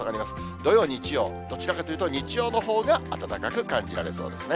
土曜、日曜、どちらかというと、日曜のほうが暖かく感じられそうですね。